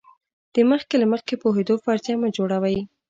د مخکې له مخکې پوهېدو فرضیه مه جوړوئ.